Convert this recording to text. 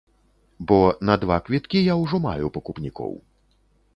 Бо на два квіткі я ўжо маю пакупнікоў.